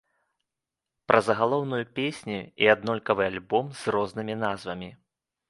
Пра загалоўную песню і аднолькавы альбом з рознымі назвамі.